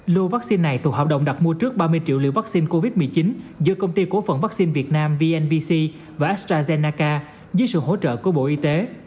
lô vaccine này thuộc hợp đồng đặt mua trước ba mươi triệu liều vaccine covid một mươi chín giữa công ty cố phận vaccine việt nam vnvc và astrazennaca dưới sự hỗ trợ của bộ y tế